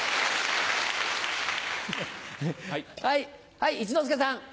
はい一之輔さん。